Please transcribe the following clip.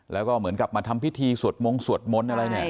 แล้วก็เหมือนกลับมาทำพิธีสวดมงส์สวดม้นอะไรแหละ